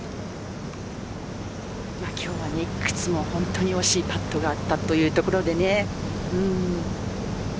今日はいくつも本当に惜しいパットがあったというところで。